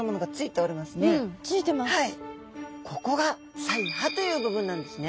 ここが鰓耙という部分なんですね。